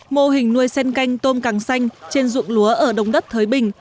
mô hình nuôi sen canh tôm càng xanh trên rụng lúa ở đông đất thới bình